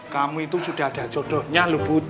kamu itu sudah ada jodohnya lo bu